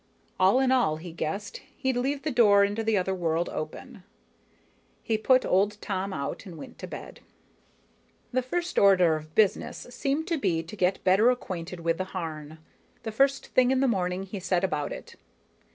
All in all, he guessed, he'd leave the door into the other world open. He put old Tom out and went to bed. The first order of business seemed to be to get better acquainted with the Harn, and first thing in the morning he set about it.